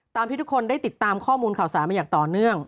ที่ทุกคนได้ติดตามข้อมูลข่าวสารมาอย่างต่อเนื่อง